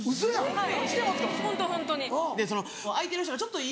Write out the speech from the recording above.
はい。